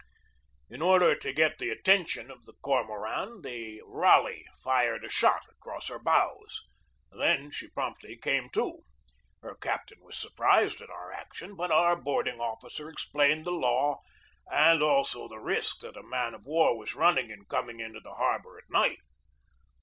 In order to get the attention of the Cormoran the Raleigh fired a shot across her bows. Then she promptly came to. Her captain was surprised at 256 GEORGE DEWEY our action, but our boarding officer explained the law, and also the risk that a man of war was running in coming into the harbor at night.